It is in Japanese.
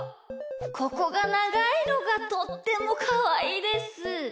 ここがながいのがとってもかわいいです。